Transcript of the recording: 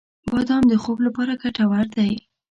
• بادام د خوب لپاره ګټور دی.